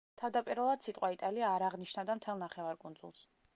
თავდაპირველად სიტყვა იტალია არ აღნიშნავდა მთელ ნახევარკუნძულს.